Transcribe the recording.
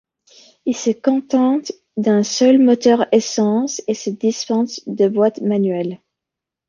Il se contente d'un seul moteur essence et se dispense de boîte manuelle.